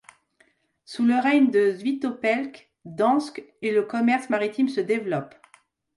Sous le règne de Świętopełk, Gdańsk et le commerce maritime se développent.